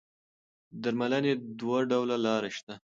د درملنې دوه ډوله لاره شته.